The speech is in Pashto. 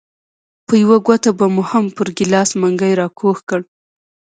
په یوه ګوته به مو هم پر ګیلاس منګی راکوږ کړ.